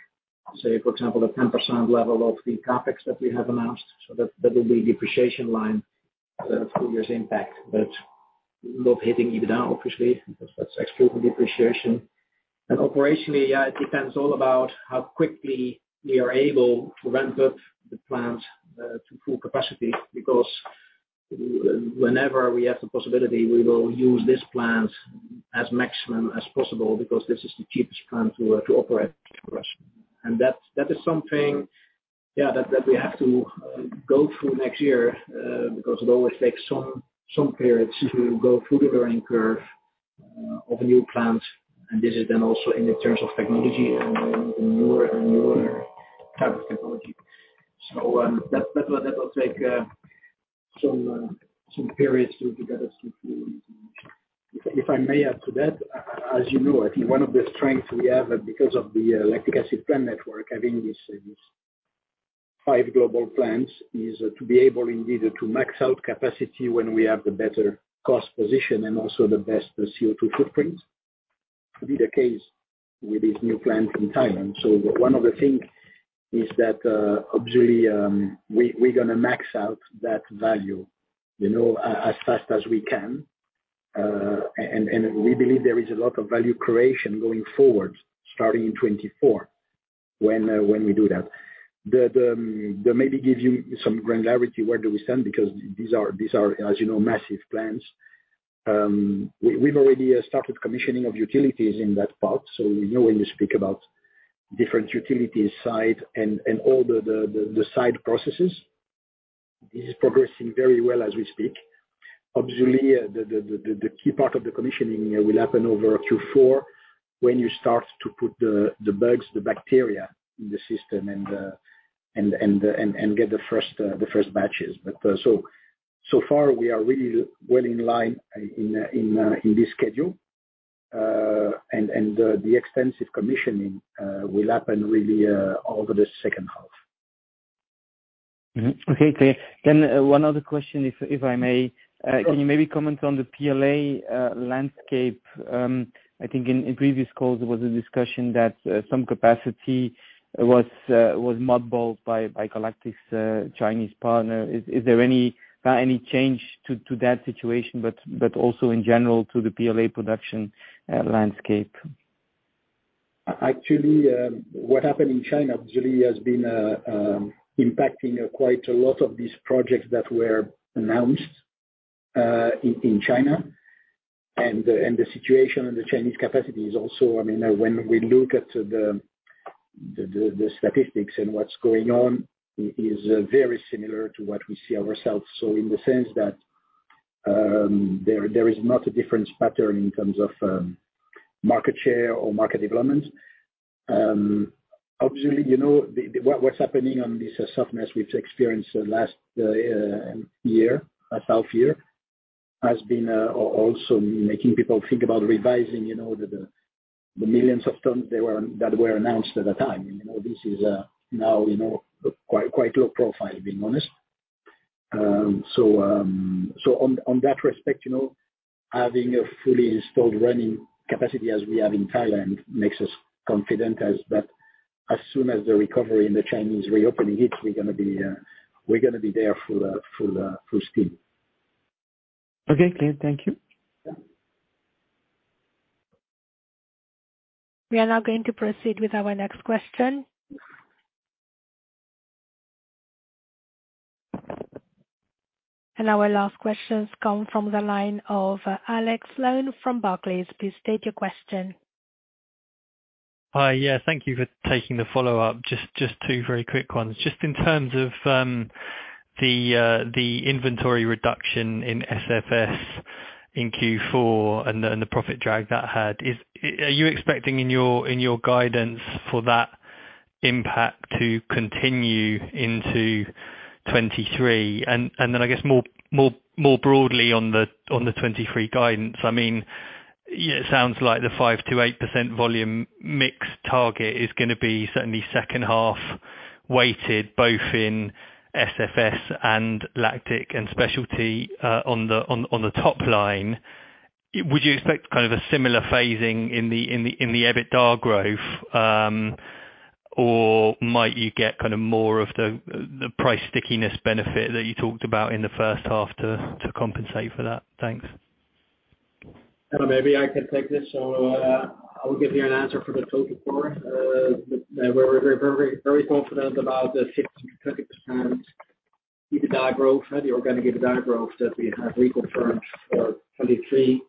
say for example, the 10% level of the CapEx that we have announced. That will be depreciation line for years impact, but not hitting EBITDA obviously, because that's exclusive depreciation. Operationally, yeah, it depends all about how quickly we are able to ramp up the plant to full capacity. Whenever we have the possibility, we will use this plant as maximum as possible because this is the cheapest plant to operate for us. That's, that is something, yeah, that we have to go through next year, because it always takes some periods to go through the learning curve of a new plant. This is then also in the terms of technology and the newer and newer type of technology. That will take some periods. If I may add to that, as you know, I think one of the strengths we have because of the lactic acid plant network, having these five global plants, is to be able indeed to max out capacity when we have the better cost position and also the best CO2 footprint. Will be the case with this new plant in Thailand. One of the things is that, obviously, we're gonna max out that value, you know, as fast as we can. We believe there is a lot of value creation going forward, starting in 2024 when we do that. To maybe give you some granularity, where do we stand, because these are, as you know, massive plants. We've already started commissioning of utilities in that part, so we know when you speak about different utilities side and all the side processes. This is progressing very well as we speak. Obviously, the key part of the commissioning will happen over Q4 when you start to put the bugs, the bacteria in the system and get the first batches. So far we are really well in line in this schedule and the extensive commissioning will happen really over the second half. Okay. Clear. One other question if I may. Of course. Can you maybe comment on the PLA landscape? I think in previous calls there was a discussion that some capacity was mothballed by Galactic's Chinese partner. Is there any change to that situation, but also in general to the PLA production landscape? Actually, what happened in China obviously has been impacting quite a lot of these projects that were announced in China. The situation in the Chinese capacity is also. I mean, when we look at the statistics and what's going on is very similar to what we see ourselves. In the sense that there is not a different pattern in terms of market share or market development. Obviously, you know, what's happening on this softness we've experienced last year, half year, has been also making people think about revising, you know, the millions of tons that were announced at the time. You know, this is now, you know, quite low profile, to being honest. On that respect, you know, having a fully installed running capacity as we have in Thailand makes us confident as that as soon as the recovery in the Chinese reopening hits, we're gonna be there full steam. Okay, clear. Thank you. Yeah. We are now going to proceed with our next question. Our last question come from the line of Alex Sloane from Barclays. Please state your question. Hi. Yeah. Thank you for taking the follow-up. Just two very quick ones. Just in terms of the inventory reduction in SFS in Q4 and the profit drag that had, Are you expecting in your guidance for that impact to continue into 2023? Then I guess more broadly on the 2023 guidance, I mean, it sounds like the 5%-8% volume mix target is gonna be certainly second half-weighted both in SFS and lactic and specialty on the top line. Would you expect kind of a similar phasing in the EBITDA growth, or might you get kinda more of the price stickiness benefit that you talked about in the first half to compensate for that? Thanks. Maybe I can take this. I will give you an answer for the total core. We're very, very confident about the 15%-20% EBITDA growth, the organic EBITDA growth that we have reconfirmed for 2023.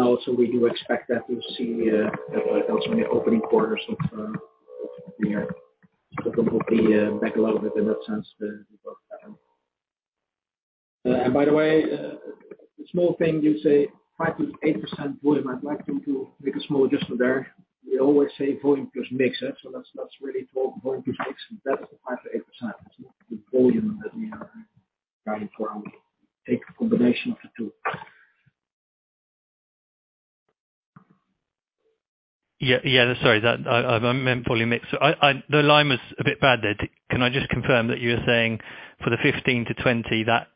Also we do expect that we'll see that also in the opening quarters of the year. That will be back a little bit in that sense, the growth pattern. By the way, a small thing, you say 5%-8% volume. I'd like to make a small adjustment there. We always say volume plus mix. That's really volume plus mix, that's the 5%-8%. It's not the volume that we are guiding for. Take a combination of the two. Yeah. Yeah, sorry that I meant volume mix. The line was a bit bad there. Can I just confirm that you're saying for the 15%-20% that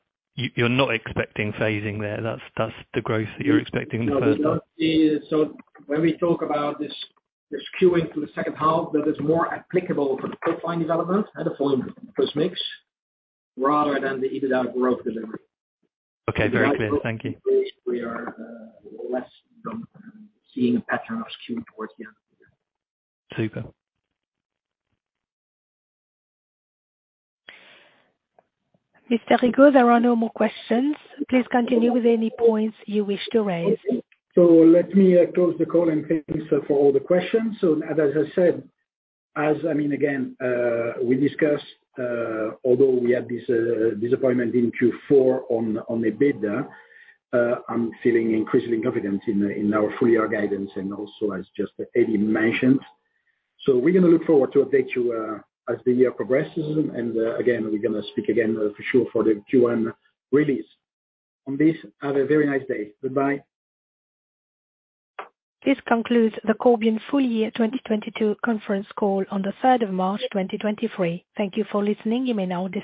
you're not expecting phasing there, that's the growth that you're expecting the first half? No. When we talk about this skewing to the second half, that is more applicable for the top line development at a volume plus mix rather than the EBITDA growth delivery. Okay. Very clear. Thank you. We are less seeing a pattern of skewing towards the end of the year. Super. Mr. Rigaud, there are no more questions. Please continue with any points you wish to raise. Let me close the call and thank you for all the questions. As I said, again, we discussed, although we had this disappointment in Q4 on EBITDA, I'm feeling increasingly confident in our full-year guidance and also as just Eddy mentioned. We're going to look forward to update you as the year progresses. Again, we're going to speak again for sure for the Q1 release. On this, have a very nice day. Goodbye. This concludes the Corbion full year 2022 conference call on the third of March, 2023. Thank you for listening. You may now disconnect.